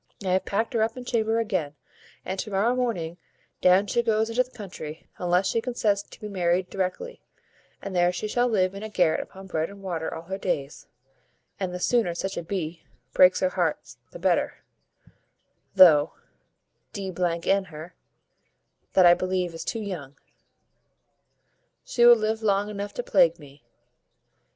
I have packed her up in chamber again, and to morrow morning down she goes into the country, unless she consents to be married directly, and there she shall live in a garret upon bread and water all her days; and the sooner such a b breaks her heart the better, though, d n her, that I believe is too tough. She will live long enough to plague me."